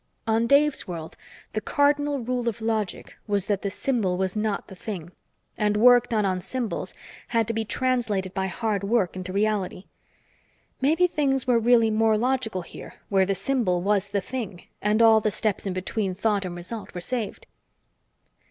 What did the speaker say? On Dave's world, the cardinal rule of logic was that the symbol was not the thing and work done on symbols had to be translated by hard work into reality. Maybe things were really more logical here where the symbol was the thing, and all the steps in between thought and result were saved.